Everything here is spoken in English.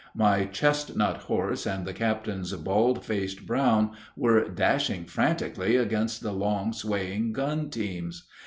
My chestnut horse and the captain's bald faced brown were dashing frantically against the long, swaying gun teams.